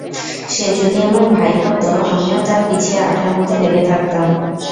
সে যদি আমার ভাই হত আমিও তার পিছে আঠার মত লেগে থাকতাম।